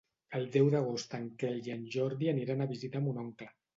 El deu d'agost en Quel i en Jordi aniran a visitar mon oncle.